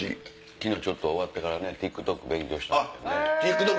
昨日ちょっと終わってからＴｉｋＴｏｋ勉強したんです。